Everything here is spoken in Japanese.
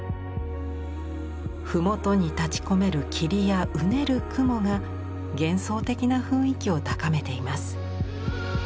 麓に立ちこめる霧やうねる雲が幻想的な雰囲気を高めています。